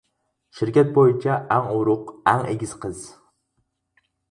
شىركەت بويىچە ئەڭ ئورۇق، ئەڭ ئېگىز قىز.